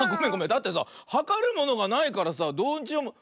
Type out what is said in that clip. だってさはかるものがないからさどうしようも。